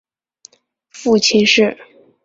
父亲是。